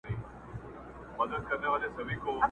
د شنې بزې چيچى که شين نه وي، شين ټکئ به لري.